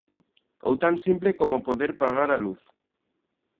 Ou tan simple como poder pagar a luz.